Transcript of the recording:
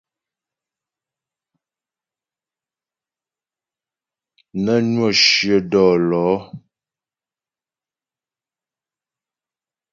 Nə́ nwə́ shyə dɔ́lɔ̌.